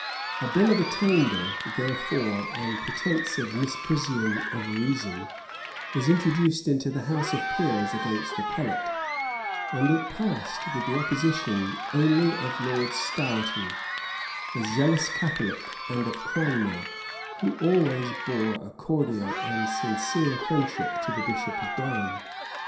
A bill of attainder, therefore, on pretence of misprision of treason, was introduced into the house of peers against the prelate; and it passed with the opposition only of Lord Stourton, a zealous Catholic, and of Cranmer, who always bore a cordial and sincere friendship to the bishop of Durham.